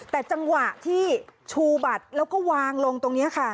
แต่จังหวะที่ชูบัตรแล้วก็วางลงตรงนี้ค่ะ